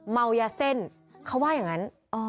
เมายาเส้นเขาว่าอย่างนั้น